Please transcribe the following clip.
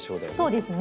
そうですね。